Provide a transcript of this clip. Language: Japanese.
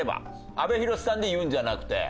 阿部寛さんで言うんじゃなくて。